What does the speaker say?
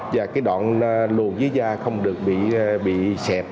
và cái đoạn luồn dưới da không được bị sẹp